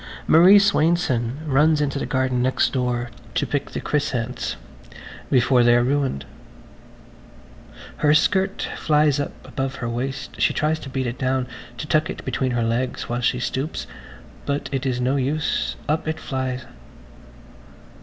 ... Marie Swainson runs into the garden next door to pick the "chrysanths" before they are ruined. Her skirt flies up above her waist; she tries to beat it down, to tuck it between her legs while she stoops, but it is no use–up it flies.